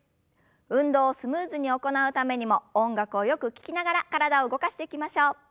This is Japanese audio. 運動をスムーズに行うためにも音楽をよく聞きながら体を動かしていきましょう。